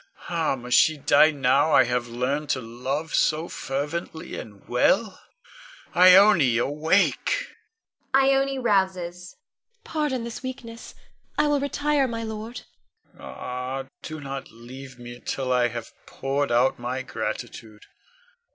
Ah, must she die now I have learned to love so fervently and well? Ione, awake! [Ione rouses. Ione. Pardon this weakness; I will retire, my lord. Con. Ah, do not leave me till I have poured out my gratitude.